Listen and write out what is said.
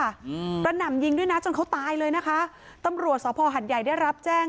อืมกระหน่ำยิงด้วยนะจนเขาตายเลยนะคะตำรวจสภหัดใหญ่ได้รับแจ้ง